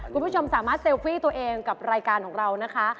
คุณผู้ชมสามารถเซลฟี่ตัวเองกับรายการของเรานะคะ